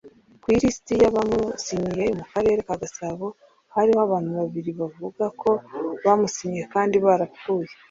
Ku ilisiti y’abamusinyiye mu Karere ka Gasabo hariho abantu babiri avuga ko bamusinyiye kandi barapfuye